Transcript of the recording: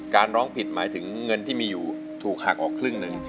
ร้องผิดหมายถึงเงินที่มีอยู่ถูกหักออกครึ่งหนึ่ง